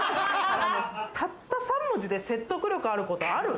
たった３文字で説得力あることある？